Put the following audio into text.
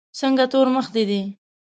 څنګه تور مخ دي دی.